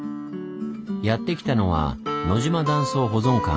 やって来たのは野島断層保存館。